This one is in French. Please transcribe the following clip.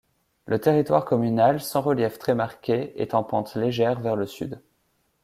Le territoire communal, sans relief très marqué est en pente légère vers le sud.